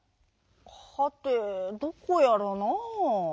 はてどこやらなあ。